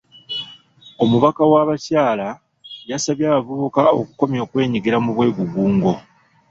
Omubaka w'abakyala yasabye abavubuka okukomya okwenyigira mu bwegugungo.